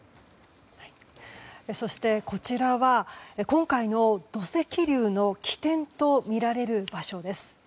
そして、こちらは今回の土石流の起点とみられる場所です。